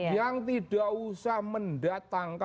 yang tidak usah mendatang